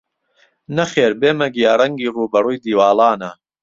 نەخێر بێمە گیاڕەنگی ڕووبەڕووی دیواڵانە